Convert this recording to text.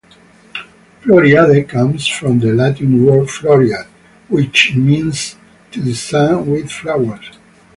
"Floriade" comes from the Latin word "floriat", which means to design with flowers.